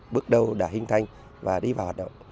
bước đầu đã hình thành và đi vào